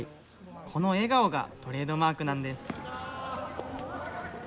この笑顔がトレードマークなんです。